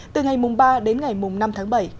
từ ngày ba đến ngày năm tháng bảy